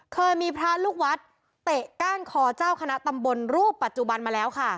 เคยมีพระลูกวัดเตะก้านคอเจ้าคณะตำบลรูปปัจจุบันมาแล้วค่ะ